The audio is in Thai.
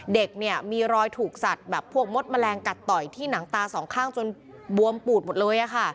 เด็กเนี่ยมีรอยถูกสัตว์แบบพวกมดแมลงกัดต่อยที่หนังตาสองข้างจนบวมปูดหมดเลย